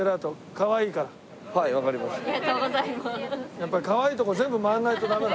やっぱりかわいいところ全部回らないとダメだ。